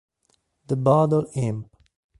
The Bottle Imp